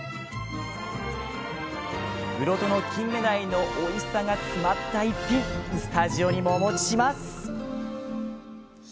室戸のキンメダイのおいしさが詰まった一品スタジオにもお持ちします！